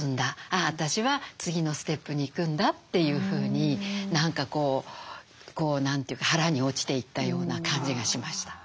あ私は次のステップに行くんだ」というふうに何かこう何て言うか腹に落ちていったような感じがしました。